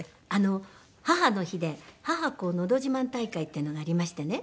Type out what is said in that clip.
母の日で母子のど自慢大会っていうのがありましてね。